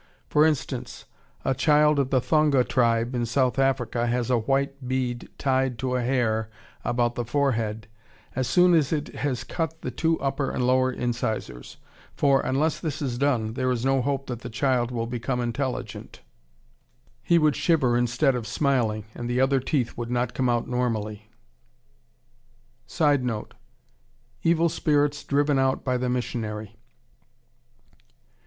For instance, a child of the Thonga Tribe in South Africa has a white bead tied to a hair about the forehead as soon as it has cut the two upper and lower incisors, for, unless this is done, there is no hope that the child will become intelligent; he would shiver instead of smiling, and the other teeth would not come out normally. [Sidenote: Evil spirits "driven out" by the missionary.